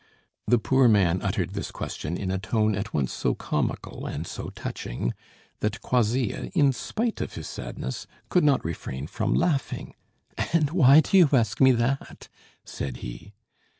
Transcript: The poor man uttered this question in a tone at once so comical and so touching, that Croisilles, in spite of his sadness, could not refrain from laughing. "And why do you ask me that?" said he.